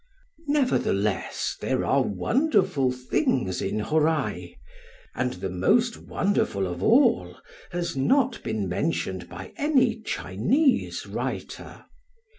Nevertheless there are wonderful things in Hōrai; and the most wonderful of all has not been mentioned by any Chinese writer.